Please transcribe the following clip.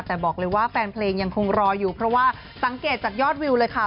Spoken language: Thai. แต่บอกเลยว่าแฟนเพลงยังคงรออยู่เพราะว่าสังเกตจากยอดวิวเลยค่ะ